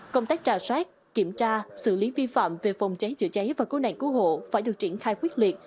công tác trả sát kiểm tra xử lý vi phạm về phòng cháy chữa cháy và cố nạn cứu hộ phải được triển khai quyết liệt